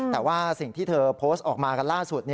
แต่ว่าสิ่งที่เธอโพสต์ออกมากันล่าสุด